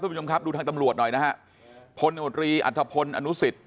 ทุกผู้ชมครับดูทางตำรวจหน่อยนะฮะพลฯอัตภพลอนุสิต